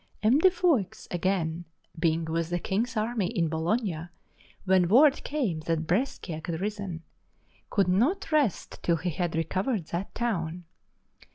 M. de Foix, again, being with the king's army in Bologna when word came that Brescia had risen, could not rest till he had recovered that town.